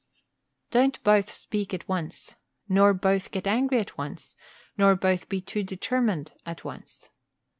Don't both speak at once, nor both get angry at once, nor both be too determined at once.